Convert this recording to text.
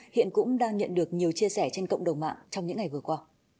hiện cũng đang nhận được nhiều chia sẻ trên cộng đồng mạng trong những ngày vừa qua